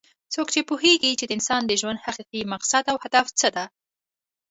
څوک پوهیږي چې د انسان د ژوند حقیقي مقصد او هدف څه ده